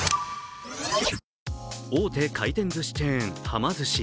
大手回転ずしチェーン、はま寿司。